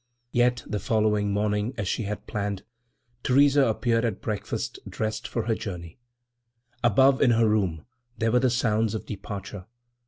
Yet the following morning, as she had planned, Theresa appeared at breakfast dressed for her journey. Above in her room there were the sounds of departure.